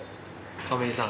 亀井さん。